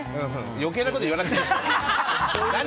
余計なこと言わなくていいです。